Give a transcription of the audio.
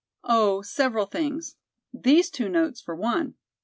"Oh, several things. These two notes for one."